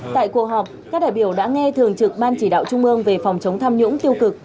tại cuộc họp các đại biểu đã nghe thường trực ban chỉ đạo trung ương về phòng chống tham nhũng tiêu cực